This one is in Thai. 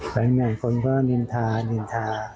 แปลงอย่างคนบ้างนินทานินทา